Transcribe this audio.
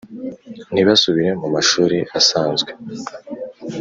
ntibasubire mu mashuri asanzwe